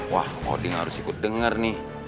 wah oding harus ikut denger nih